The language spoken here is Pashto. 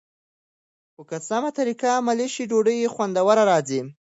خو که سمه طریقه عملي شي، ډوډۍ خوندوره راځي.